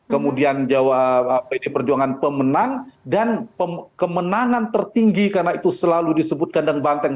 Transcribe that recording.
kemudian jawa pd perjuangan pemenang dan kemenangan tertinggi karena itu selalu disebut kandang banteng